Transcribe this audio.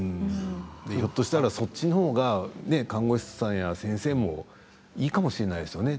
ひょっとしたらそっちの方が看護師さんも先生もいいかもしれないですね。